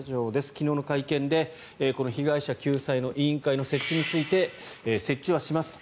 昨日の会見でこの被害者救済委員会の設置について設置はしますと。